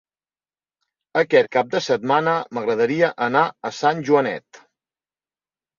Aquest cap de setmana m'agradaria anar a Sant Joanet.